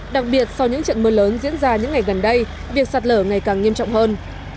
đặc biệt sau những trận mưa lớn diễn ra những ngày gần đây việc sạt lở ngày càng nghiêm trọng hơn